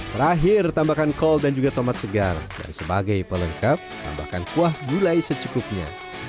terakhir tambahkan kol dan juga tomat segar dan sebagai pelengkap tambahkan kuah gulai secukupnya